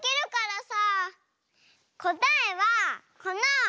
こたえはこの。